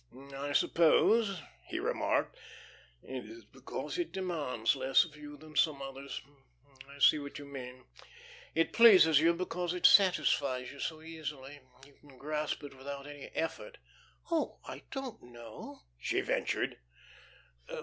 "I suppose," he remarked, "it is because it demands less of you than some others. I see what you mean. It pleases you because it satisfies you so easily. You can grasp it without any effort." "Oh, I don't know," she ventured.